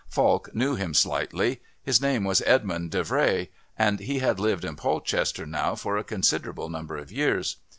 Falk knew him slightly. His name was Edmund Davray, and he had lived in Polchester now for a considerable number of years.